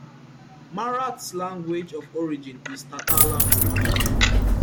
Marat's language of origin is Tatar language.